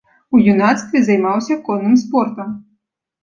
У юнацтве займаўся конным спортам.